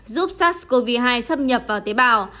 giúp sars cov hai xâm nhập vào tế bào